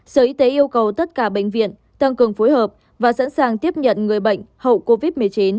sở y tế yêu cầu tất cả bệnh viện tăng cường phối hợp và sẵn sàng tiếp nhận người bệnh hậu covid một mươi chín